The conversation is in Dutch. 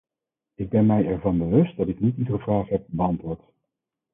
Ik ben mij ervan bewust dat ik niet iedere vraag heb beantwoord.